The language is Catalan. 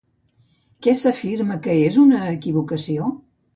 Què s'afirma que és una equivocació?